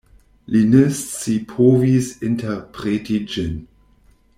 Li ne scipovis interpreti ĝin.